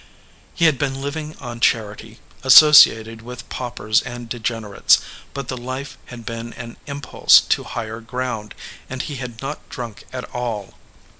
He had been living on charity, associated with paupers and degenerates, but the life had been an impulse to higher ground, and he had not drunk at all.